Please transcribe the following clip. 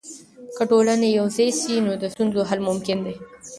که ټولنه یوځای سي، نو د ستونزو حل ممکن دی.